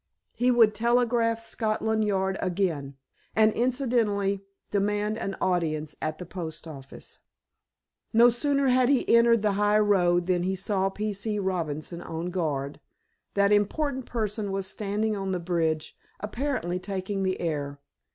He would telegraph Scotland Yard again, and, incidentally, demand an audience at the post office. No sooner had he entered the highroad than he saw P. C. Robinson on guard. That important person was standing on the bridge, apparently taking the air.